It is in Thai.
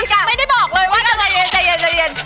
ใจเย็น